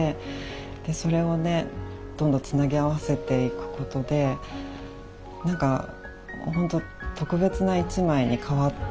でそれをねどんどんつなぎ合わせていくことでなんかほんと特別な１枚に変わったっていう印象がありますね